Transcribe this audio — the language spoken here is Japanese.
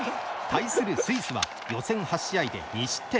対するスイスは予選８試合で２失点。